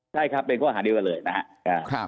ใช่ครับเป็นข้อหาเดียวกันเลยนะครับ